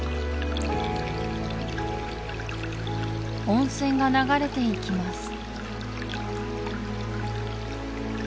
温泉が流れていきます